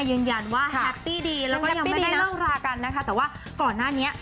ยืนยันว่าแฮปปี้ดีแล้วก็ยังไม่ได้เลิกรากันนะคะแต่ว่าก่อนหน้านี้